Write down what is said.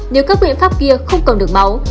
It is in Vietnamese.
nếu các biện pháp kia không cầm được máu